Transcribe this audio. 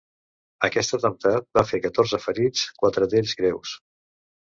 Aquest atemptat va fer catorze ferits, quatre d’ells greus.